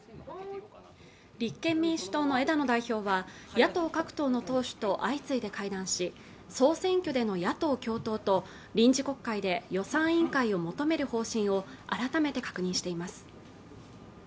立憲民主党の枝野代表は野党各党の党首と相次いで会談し総選挙での野党共闘と臨時国会で予算委員会を求める方針を改めて確認しています